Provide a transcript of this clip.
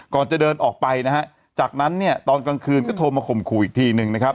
ก่อนจะเดินออกไปนะฮะจากนั้นเนี่ยตอนกลางคืนก็โทรมาข่มขู่อีกทีหนึ่งนะครับ